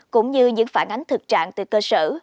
cũng như những phản ánh thực trạng từ cơ sở